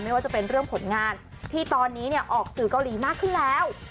ว่าจะเป็นเรื่องผลงานที่ตอนนี้ออกสื่อเกาหลีมากขึ้นแล้ว